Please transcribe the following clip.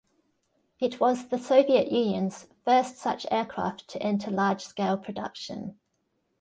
It was the Soviet Union's first such aircraft to enter large-scale production.